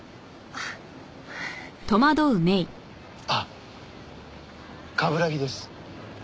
ああ冠城です。